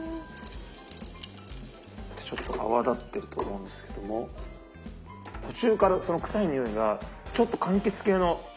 ちょっと泡立ってると思うんですけども途中からその臭いにおいがちょっとかんきつ系の甘い感じに変わってくるんです。